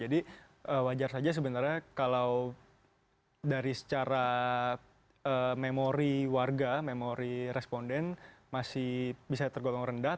jadi wajar saja sebenarnya kalau dari secara memori warga memori responden masih bisa tergolong rendah